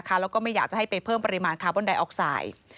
แล้วก็ไม่อยากจะให้ไปเพิ่มปริมาณคาร์บอนไดออกไซด์